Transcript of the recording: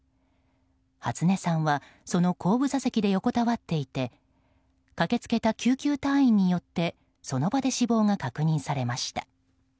初音さんはその後部座席で横たわっていて駆けつけた救急隊員によってその場で死亡が確認されました。